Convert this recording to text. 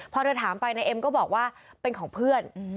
พอเธอถามไปนายเอ็มก็บอกว่าเป็นของเพื่อน